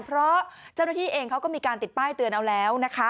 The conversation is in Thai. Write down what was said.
เพราะเจ้าหน้าที่เองเขาก็มีการติดป้ายเตือนเอาแล้วนะคะ